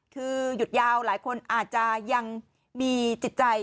คือหยุดยาวหลายคนอาจจะยังมีจิตใจ